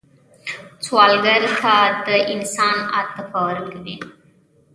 سوالګر ته د انسان عاطفه ورکوئ